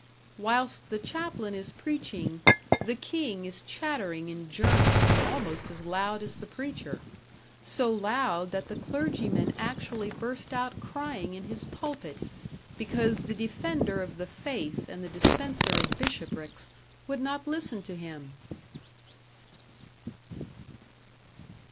Whilst the chaplain is preaching, the king is chattering in German and almost as loud as the preacher; so loud that the clergyman actually burst out crying in his pulpit, because the defender of the faith and the dispenser of bishoprics would not listen to him!